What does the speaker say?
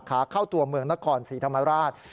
ขาเข้าตัวเมืองนครศรีธรรมราช